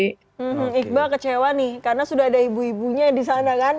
hmm iqbal kecewa nih karena sudah ada ibu ibunya di sana kan